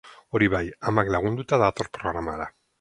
Hori bai, amak lagunduta dator programara.